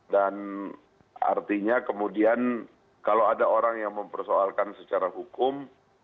dan artinya kemudian kalau ada orang yang mempersoalkan secara hukum